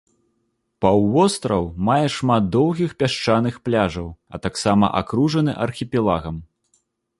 Паўвостраў мае шмат доўгіх пясчаных пляжаў, а таксама акружаны архіпелагам.